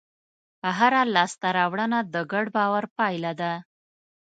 هره لاستهراوړنه د ګډ باور پایله ده.